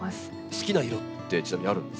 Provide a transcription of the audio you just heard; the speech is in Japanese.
好きな色ってちなみにあるんですか？